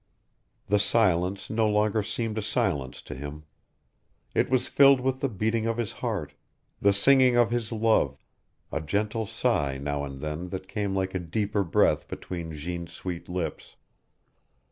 The silence no longer seemed a silence to him. It was filled with the beating of his heart, the singing of his love, a gentle sigh now and then that came like a deeper breath between Jeanne's sweet lips.